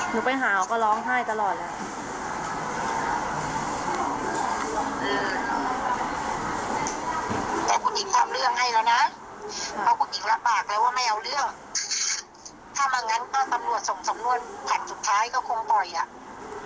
หนูไปหาเขาก็ร้องไห้ตลอดแหละ